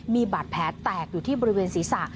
มีบาดแผลแตกอยู่ที่บริเวณศีรษะ